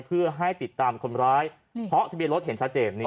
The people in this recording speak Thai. เพื่อให้ติดตามคนร้ายเพราะทะเบียนรถเห็นชัดเจน